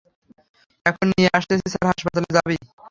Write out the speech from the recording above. এখন নিয়ে আসতেছি স্যার হাসপাতালে যাবি?